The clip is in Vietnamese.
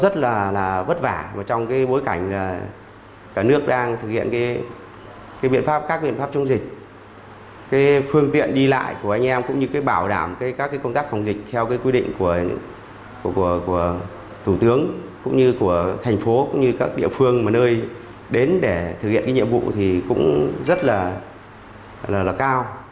trong bối cảnh cả nước đang thực hiện các biện pháp chung dịch phương tiện đi lại của anh em cũng như bảo đảm các công tác không dịch theo quy định của thủ tướng cũng như của thành phố cũng như các địa phương mà nơi đến để thực hiện nhiệm vụ thì cũng rất là cao